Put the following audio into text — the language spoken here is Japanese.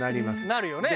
なるよね。